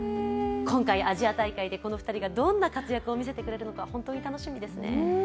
今回、アジア大会でこの２人がどんな活躍を見せてくれるのか、楽しみですね。